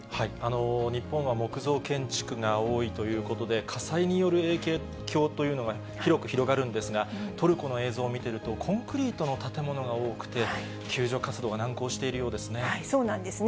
日本は木造建築が多いということで、火災による影響というのが広く広がるんですが、トルコの映像見てると、コンクリートの建物が多くて、救助活動が難航しているようですね。